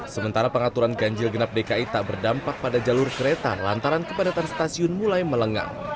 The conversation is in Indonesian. sementara pengaturan ganjil genap dki tak berdampak pada jalur kereta lantaran kepadatan stasiun mulai melengang